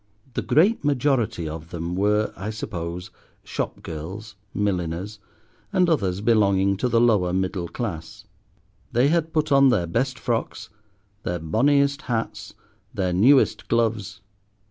The great majority of them were, I suppose, shop girls, milliners, and others belonging to the lower middle class. They had put on their best frocks, their bonniest hats, their newest gloves.